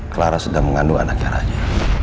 clara sedang mengandung anaknya